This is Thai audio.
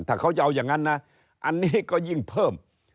ถ้าเขาจะเอาอย่างนั้นนะอันนี้ก็ยิ่งเพิ่ม